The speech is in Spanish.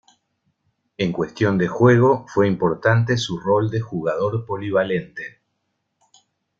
En cuestión de juego, fue importante su rol de jugador polivalente.